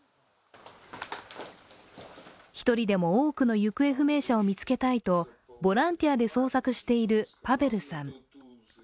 一人でも多くの行方不明者を見つけたいと、ボランティアで捜索しているパベルさん。